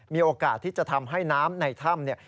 มีโอกาสที่จะทำให้น้ำในถ้ำเนี่ย